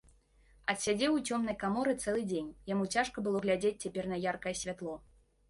Адсядзеў у цёмнай каморы цэлы дзень, яму цяжка было глядзець цяпер на яркае святло.